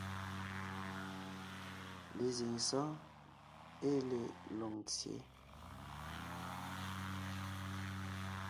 Lezíŋ sɔ́ɔn ée le Lôŋtsyě,